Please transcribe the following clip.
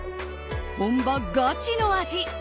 本場ガチの味。